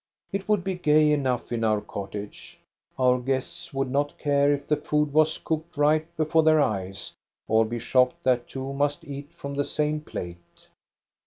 It would be gay enough in our cottage. Our guests would not care if the food was cooked right before their eyes, or be shocked that two must eat from the same plate."